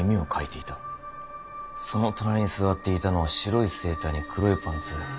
その隣に座っていたのは白いセーターに黒いパンツ。